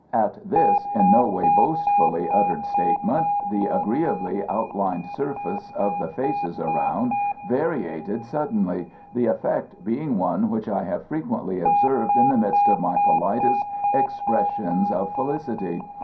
At this in no way boastfully uttered statement the agreeably outlined surface of the faces around variated suddenly, the effect being one which I have frequently observed in the midst of my politest expressions of felicity.